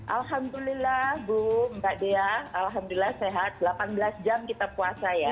alhamdulillah ibu mbak dia alhamdulillah sehat delapan belas jam kita puasa ya